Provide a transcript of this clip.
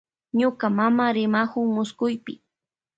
Ñuka mama rimawun muskupi.